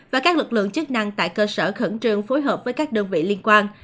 và các lực lượng chức năng tại cơ sở khẩn trương phối hợp với các đơn vị liên quan